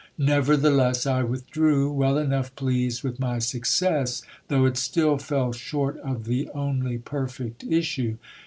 Never theless, I withdrew, well enough pleased with my success, though it still fell short of the only perfect issue.